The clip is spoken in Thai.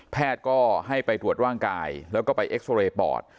แพทย์ก็ให้ไปตรวจร่างกายแล้วก็ไปเอ็กซอเรย์ปอด